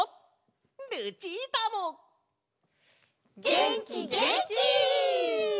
げんきげんき！